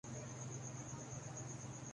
جب کہ test cricket